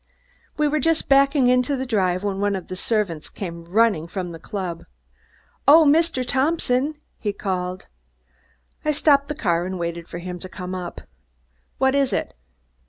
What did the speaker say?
We were just backing into the drive when one of the servants came running from the club. "Oh, Mr. Thompson!" he called. I stopped the car and waited for him to come up. "What is it?"